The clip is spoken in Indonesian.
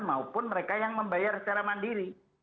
maupun mereka yang membayar secara mandiri